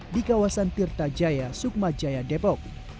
di kawasan tirta jaya sukma jaya depok